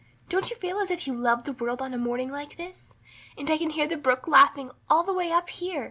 Don't you feel as if you just loved the world on a morning like this? And I can hear the brook laughing all the way up here.